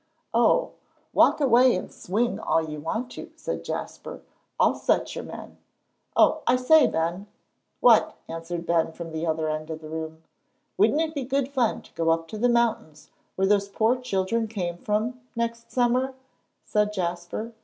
"Oh, walk away and swing all you want to," said Jasper, "I'll set your men. Oh, I say, Ben!" "What?" answered Ben, from the other end of the room. "Wouldn't it be good fun to go up to the mountains, where those poor children came from, next summer?" said Jasper.